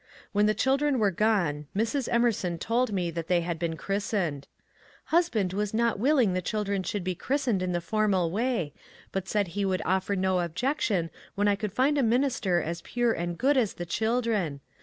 When the children were gone Mrs. Emerson told me that they had been christened. '^ Husband was not willing the children should be christened in the formal way, but said he would offer no objection when I could find a minister as pure and good as the children.